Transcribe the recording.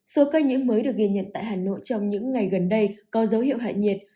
số ca nhiễm mới được ghi nhận tại hà nội trong những ngày gần đây có dấu hiệu hại nhiệt